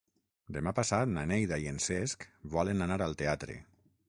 Demà passat na Neida i en Cesc volen anar al teatre.